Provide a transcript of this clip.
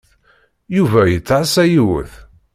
Yuba yettɛassa yiwet.